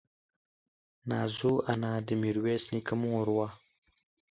نازو انا د ميرويس نيکه مور وه.